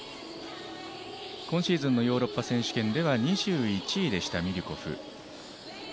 今シーズンのヨーロッパ選手権では２１位でした、ミリュコフ。